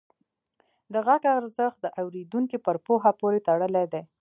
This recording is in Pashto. د غږ ارزښت د اورېدونکي پر پوهه پورې تړلی دی.